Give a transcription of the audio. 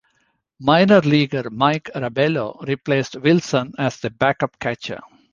Minor leaguer Mike Rabelo replaced Wilson as the back-up catcher.